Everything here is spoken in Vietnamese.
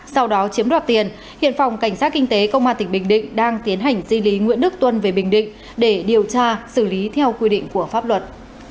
sau đó chiếm đoạt tiền hiện phòng cảnh sát kinh tế công an tỉnh bình định đang tiến hành di lý nguyễn đức tuân về bình định để điều tra xử lý theo quy định của pháp luật